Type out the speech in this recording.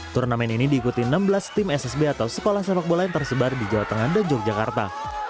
turnamen ini diikuti enam belas tim ssb atau sekolah sepak bola yang tersebar di jawa tengah dan yogyakarta